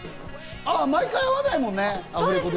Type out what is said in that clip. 毎回、会わないもんね。